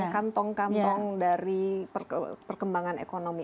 kantong kantong dari perkembangan ekonomi